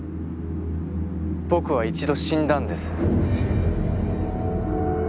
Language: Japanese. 僕は一度死んだんです。